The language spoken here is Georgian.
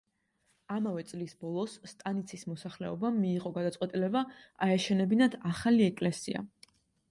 ამავე წლის ბოლოს სტანიცის მოსახლეობამ მიიღო გადაწყვეტილება აეშენებინათ ახალი ეკლესია.